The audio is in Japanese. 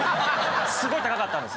すごい高かったんです。